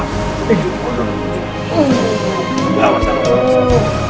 masak masak masak